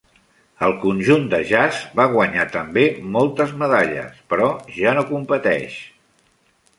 El conjunt de jazz va guanyar també moltes medalles, però ja no competeix.